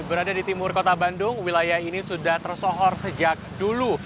berada di timur kota bandung wilayah ini sudah tersohor sejak dulu